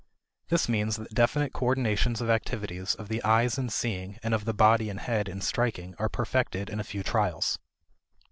This means that definite coordinations of activities of the eyes in seeing and of the body and head in striking are perfected in a few trials.